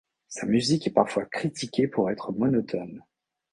Sa musique est parfois critiquée pour être monotone.